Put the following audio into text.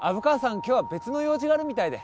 今日は別の用事があるみたいで。